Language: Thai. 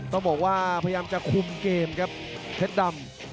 ต้องบอกว่าพยายามจะคุมเกมครับเพชรดำ